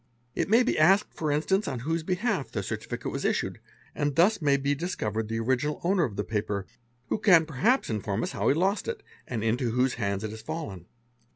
It may be asked for instance on whose behalf the certifi | cate was issued, and thus may be discovered the original owner of the "paper, who can perhaps inform us how he lost it and into whose hands t has fallen.